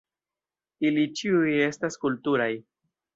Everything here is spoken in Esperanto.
Ili ĉiuj estas kulturaj.